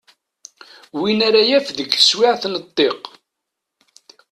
Win ara yaf deg teswiɛt n ddiq.